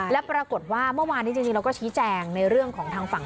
แล้วปรากฏว่าเมื่อวานนี้จริงเราก็ชี้แจงในเรื่องของทางฝั่ง